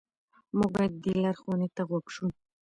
موږ باید دې لارښوونې ته غوږ شو.